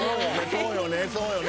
そうよね。